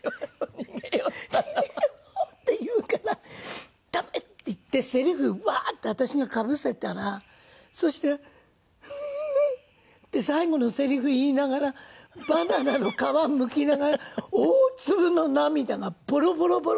「逃げよう」って言うから「ダメ！」って言ってせりふバーッて私がかぶせたらそして「うう」って最後のせりふ言いながらバナナの皮むきながら大粒の涙がボロボロボロ。